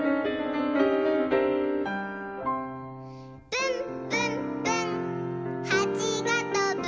「ぶんぶんぶんはちがとぶ」